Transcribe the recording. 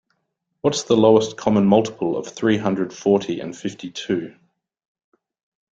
What's the lowest common multiple of three hundred forty and fifty-two?